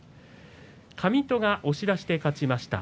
上戸が押し出しで勝ちました。